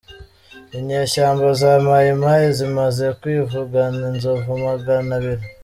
Inyeshyamba za Mayi Mayi zimaze kwivugana inzovu Maganabiri